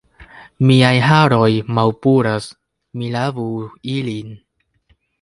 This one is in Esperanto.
Miaj haroj malpuras. Mi lavu ilin.